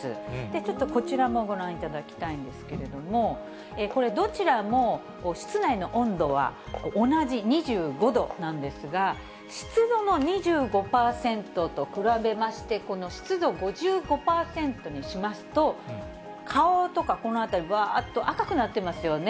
ちょっとこちらもご覧いただきたいんですけれども、これ、どちらも室内の温度は同じ２５度なんですが、湿度の２５％と比べまして、この湿度５５％にしますと、顔とかこのあたり、ぶわーっと赤くなってますよね。